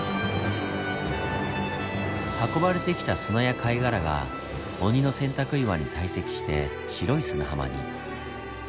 運ばれてきた砂や貝殻が鬼の洗濯岩に堆積して白い砂浜に。